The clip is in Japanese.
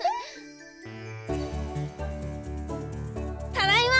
ただいま！